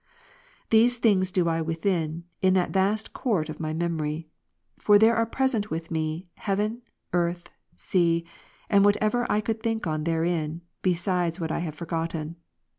14. These things do I within, in that vast court of my memory. For thei'eiire present with me, heaven, earth, sea, and whatever I could think on therein, besides what I have forgotten.